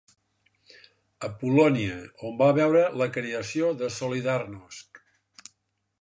A Polònia, on va veure la creació de Solidarnosc.